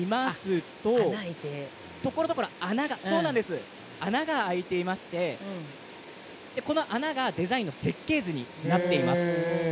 そうなんです穴が開いていましてこの穴がデザインの設計図になっています。